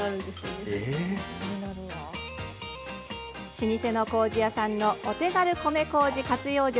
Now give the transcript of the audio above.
老舗のこうじ屋さんのお手軽米こうじ活用術